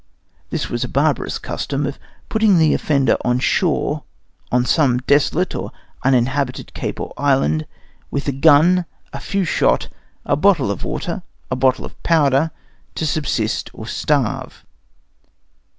(This was a barbarous custom of putting the offender on shore, on some desolate or uninhabited cape or island, with a gun, a few shot, a bottle of water, a bottle of powder, to subsist with or starve.)